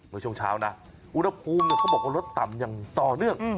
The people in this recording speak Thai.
เมื่อช่วงเช้านะอุณหภูมิเขาบอกว่าลดต่ำอย่างต่อเนื่อง